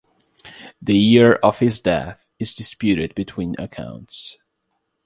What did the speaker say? The year of his death is disputed between accounts.